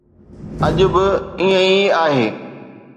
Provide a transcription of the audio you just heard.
اڄ به ائين ئي آهي.